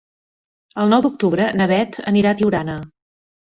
El nou d'octubre na Bet anirà a Tiurana.